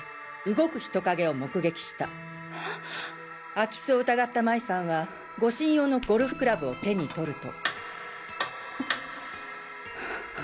空き巣を疑った麻衣護身用のゴルフクラブを手に取ると。